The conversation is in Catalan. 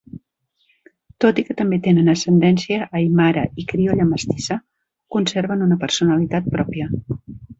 Tot i que també tenen ascendència aimara i criolla mestissa, conserven una personalitat pròpia.